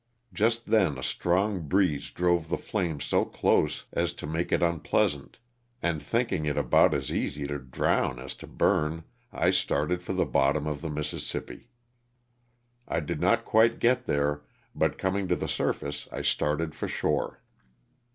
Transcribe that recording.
Just then a strong breeze drove the flames so close as to make it unpleas ant, and thinking it about as easy to drown as to burn, I started for the bottom of the Mississippi. I did not LOSS OF THE SULTAKA. 269 get quite there, but coming to the surface I started for shore.